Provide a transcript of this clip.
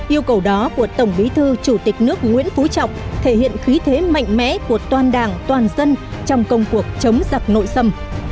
yêu cầu đó của tổng bí thư chủ tịch nước nguyễn phú trọng thể hiện khí thế mạnh mẽ của toàn đảng toàn dân trong công cuộc chống giặc nội xâm